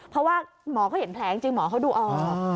เพราะว่าหมอเขาเห็นแผลจริงหมอเขาดูออก